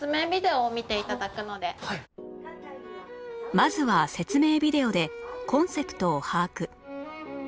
まずは説明ビデオでコンセプトを把握